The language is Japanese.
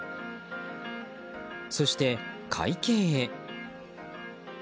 そして、会計へ。